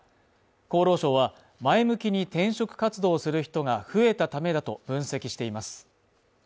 厚労省は前向きに転職活動をする人が増えたためだと分析しています。